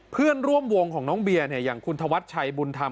เพื่อนร่วมวงของน้องเบียร์อย่างคุณธวัชชัยบุญธรรม